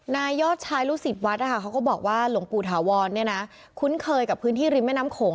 นายยอดชายลูกศิษย์วัดนะคะเขาก็บอกว่าหลวงปู่ถาวรคุ้นเคยกับพื้นที่ริมแม่น้ำโขง